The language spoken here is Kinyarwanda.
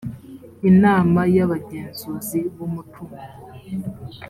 inama y abagenzuzi b umutungo